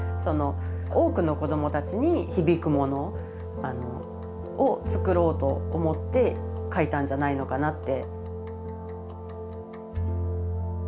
多くの子どもたちに響くものを作ろうと思って描いたんじゃないのかなって。